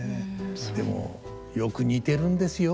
でもよく似てるんですよ